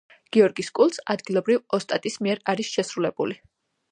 გიორგის კულტს, ადგილობრივ ოსტატის მიერ არის შესრულებული.